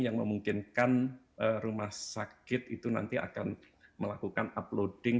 yang memungkinkan rumah sakit itu nanti akan melakukan uploading